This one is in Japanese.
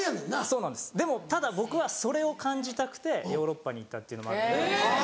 そうなんですでもただ僕はそれを感じたくてヨーロッパに行ったっていうのもあるので。